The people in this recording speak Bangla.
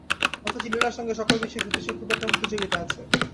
অথচ লীলার সঙ্গে সকল বিষয়েই সতীশের খুব একটা প্রতিযোগিতা আছে।